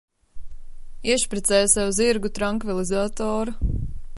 Iešpricē sev zirgu trankvilizatoru.